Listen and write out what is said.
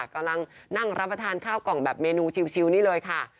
กำลังนั่งรับประทานข้าวกล่องแบบเมนูชิวนี่เลยค่ะ